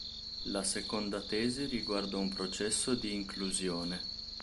La seconda tesi riguarda un processo di inclusione.